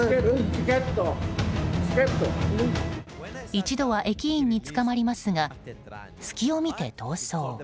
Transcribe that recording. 一度は、駅員に捕まりますが隙を見て逃走。